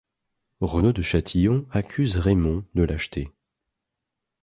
Renaud de Châtillon accuse Raymond de lâcheté.